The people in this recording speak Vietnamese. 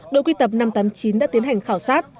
đội quy tập năm trăm tám mươi chín đã tiến hành khảo sát